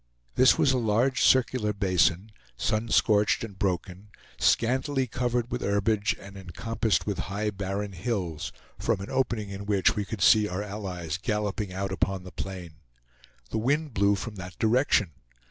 This was a large circular basin, sun scorched and broken, scantily covered with herbage and encompassed with high barren hills, from an opening in which we could see our allies galloping out upon the plain. The wind blew from that direction.